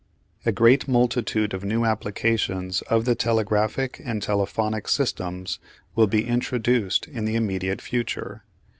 A great multitude of new applications of the telegraphic and telephonic systems will be introduced in the immediate future.